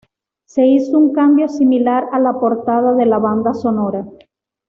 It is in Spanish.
Se hizo un cambio similar a la portada de la banda sonora.